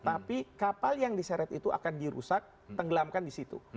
tapi kapal yang diseret itu akan dirusak tenggelamkan di situ